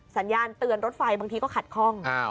สัญญาณเตือนรถไฟบางทีก็ขัดข้อง